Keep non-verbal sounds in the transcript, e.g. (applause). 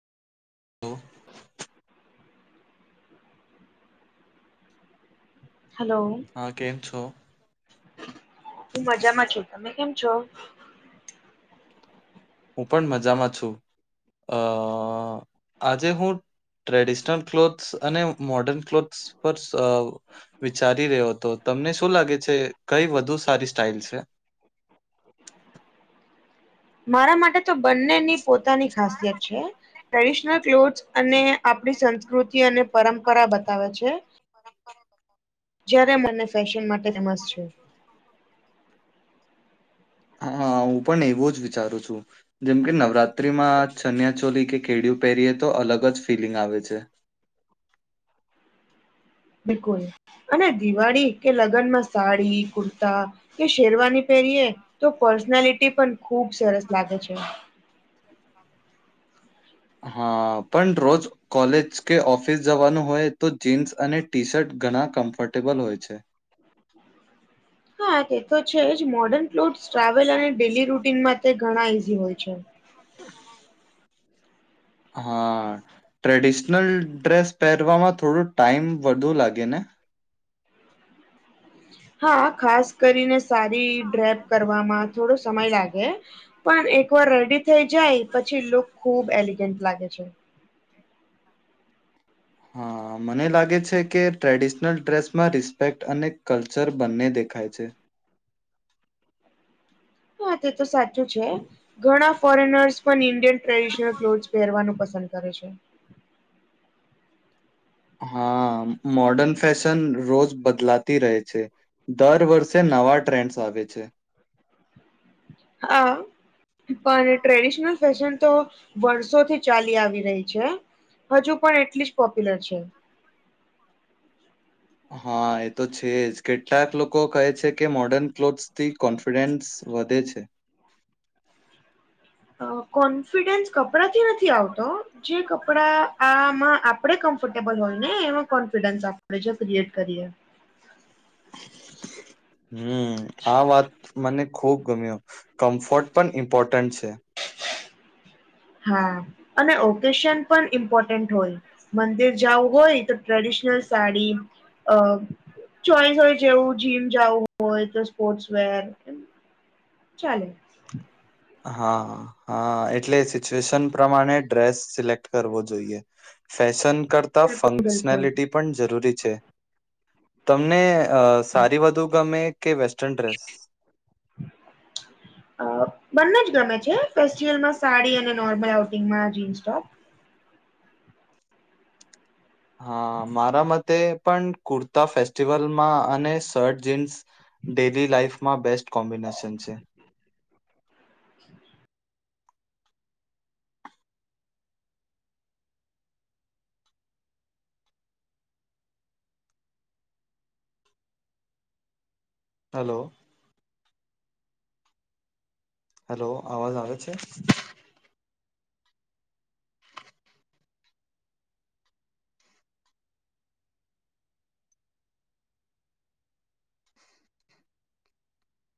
Hello. Hello. હા કેમ છો? હું બજારમાં છું તમે કેમ છો? હું પણ મજામાં છું, અ આજે હું ટ્રેડિશનલ ક્લોથસ અને મોર્ડર્ન ક્લોથ્સ પર વિચારી રહ્યો હતો તમને શું લાગે છે કઈ વધુ સારી સ્ટાઈલ છે? મારા માટે તો બંનેની પોતાની ખાસિયત છે. ટ્રેડિશનલ ક્લોથસ અને આપણી સંસ્કૃતિ અને પરંપરા બતાવે છે. જયારે મને ફેશન માટે ફેમસ છે. હા હું પણ એવો જ વિચારું છું. જેમકે નવરાત્રીમાં ચનિયા ચોલી કે કેળિયુ પહેરીએ તો અલગ જ ફીલિંગ આવે છે. બિલકુલ અને દિવાળી કે લગ્નમાં સાડી કુર્તા કે શેરવાની પહેરીએ. તો પર્સનાલિટી પણ ખુબ સરસ લાગે છે. (unintelligible) હા પણ રોજ કોલેજ કે ઓફિસ જવાનું હોય તો જીન્સ અને ટી શર્ટ ઘણા કમ્ફર્ટેબલ હોય છે. હા તે તો છે જ મોડર્ન ક્લોથસ ટ્રાવેલ અને ડેલી રૂટીનમાં ઘણા ઈઝી હોય છે. હ હા ટ્રેડિશનલ ડ્રેસ પહેરવામાં થોડું ટાઈમ વધુ લાગે ને હા ખાસ કરીને સારી ડ્રેપ કરવામાં થોડો સમય લાગે પણ એક વાર રેડી થઈ જાય પછી લુક ખુબ એલિગન્ટ લાગે છે. હા મને લાગે છે કે ટ્રેડિશનલ ડ્રેસમાં રિસ્પેક્ટ અને કલ્ચર બંને દેખાય છે. હા તે તો સાચું છે ઘણા ફોરેનર્સ પણ ઇન્ડિયન. ટ્રેડિશનલ ક્લોથસ પહેરવાનું પસંદ કરે છે. હા મોર્ડન ફેશન રોજ બદલાતી રહે છે. દર વર્ષે નવા ટ્રેન્ડસ આવે છે. હા. પણ ટ્રેડિશનલ ફેશન તો વર્ષોથી ચાલી આવી રહી છે. હજુ પણ એટલી જ પોપ્યુલર છે. હા એ તો છે જ કેટલાક લોકો કહે છે કે મોર્ડર્ન ક્લોથસ થી કોન્ફિડન્સ વધે છે. કોન્ફિડન્સ કપડાથી નથી આવતો હો જે કપડા આમાં આપે આપણે કમ્ફર્ટેબલ હોય ને એમાં કોન્ફિડન્સ આપણે ક્રિએટ કરીએ. હમ આ વાત મને ખુબ ગમ્યો કમ્ફર્ટ પણ ઇમ્પોર્ટન્ટ (inaudible) (inaudible) હા અને ઓકેશન પણ ઇનપોટેડ હોય. મંદિર જવું હોય તો ટ્રેડિશનલ સાડી અ ચોઈસ હોય જેવું જીમ જવું હોય તો સ્પોર્ટ્સ વેર ચાલે. હા હા એટલે સિચવેએશન પ્રમાણે ડેસ સિલેકટકરવો જોઈએ ફેશન કરતા બિલકુલ બિલકુલ ફંક્શનાલિટી પણજરૂરી છે તમને સાડી વધુ ગમે કે વેસ્ટર્ન ડ્રેસ અ બંને જ ગમે છે ફેસ્ટિવલમાં સાડી અને નોર્મલ આઉટિંગમાં જીન્સ ટોપ હા મારા મતે પણ કુર્તા ફેસ્ટિવલમાં અને શર્ટ જીન્સ બેબી લાઈફમાં બેસ્ટ કોમ્બિનેશન છે. (inaudible) હલો. હેલો અવાજ આવે છે.